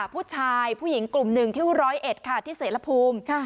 ผู้ชายผู้หญิงกลุ่มหนึ่งที่๑๐๑ค่ะที่เสร็พภูมิ